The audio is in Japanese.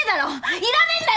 いらねえんだよ